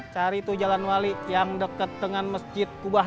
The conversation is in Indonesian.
cari tuh jalan wali yang dekat dengan masjid kubah